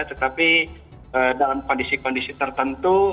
tetapi dalam kondisi kondisi tertentu